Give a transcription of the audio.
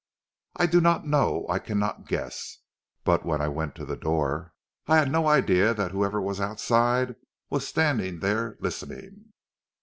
"I do not know. I cannot guess, but when I went to the door, I had no idea that whoever was outside was standing there listening."